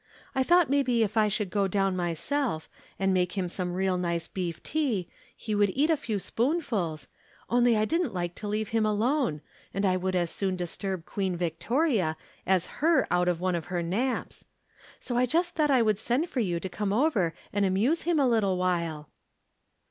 I thought maybe if I should go down myself, and make him some real nice beef tea, he would eat a few spoonfuls, only I diSn't like to leave him alone, and I 114 From Different Standpoints. would as soon disturb Queen Victoria as her out of one of her naps. So I just thought I would send for you to come over and amuse him a little while."